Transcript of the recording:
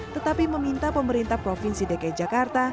tetapi meminta pemerintah provinsi dki jakarta